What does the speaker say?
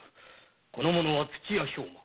この者は土屋兵馬。